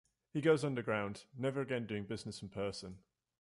He goes underground, never again doing business in person.